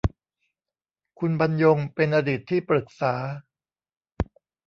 คุณบรรยงเป็นอดีตที่ปรึกษา